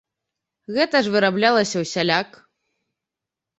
Гэта ж выраблялася ўсяляк!